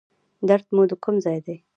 درد مو د کوم ځای دی؟